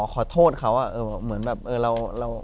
ขอโทษเขาเหมือนแบบเออเรา